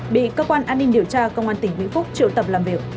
bị cơ quan an ninh điều tra công an tỉnh vĩnh phúc triệu tập làm việc